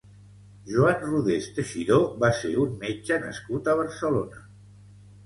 Joan Rodés Teixidor va ser un metge nascut a Barcelona.